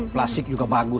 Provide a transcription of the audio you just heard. plasik juga bagus